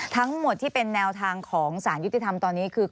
ทั้งหมดที่เป็นแนวทางของสารยุติธรรมตอนนี้คือ